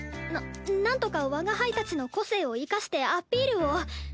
ななんとか我が輩たちの個性を生かしてアピールを。